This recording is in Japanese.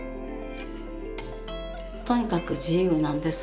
とにかく自由なんです。